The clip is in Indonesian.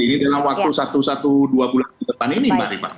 ini dalam waktu satu dua bulan ke depan ini mbak rifa